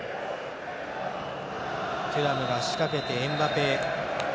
テュラムが仕掛けてエムバペへ。